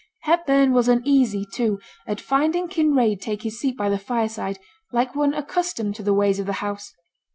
Hepburn was uneasy, too, at finding Kinraid take his seat by the fireside, like one accustomed to the ways of the house.